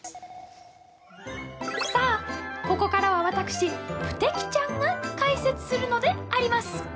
さあ、ここからは私、プテキちゃんが解説するのであります！